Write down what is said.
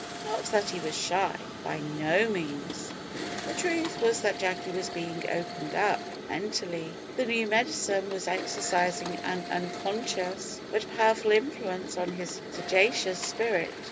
Not that he was shy by no means! The truth was that Jacky was being opened up mentally. The new medicine was exercising an unconscious but powerful influence on his sagacious spirit.